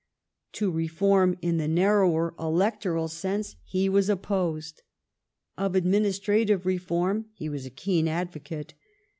To reform in the narrower electoral sense he was opposed ; of administrative reform he was a keen advocate.